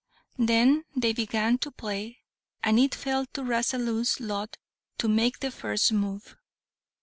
Then they began to play, and it fell to Rasalu's lot to make the first move.